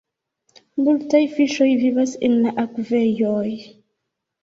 Multaj fiŝoj vivas en la akvejoj.